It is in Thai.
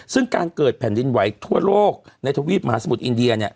ซึ่งการเกิดแผ่นดินไหวทั่วโลกในทวีปมหาสมุทรอินเดียเนี่ย